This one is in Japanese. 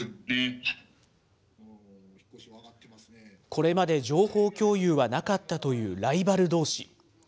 これまで情報共有はなかったというライバルどうし。